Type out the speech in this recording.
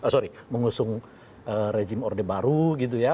sorry mengusung rejim orde baru gitu ya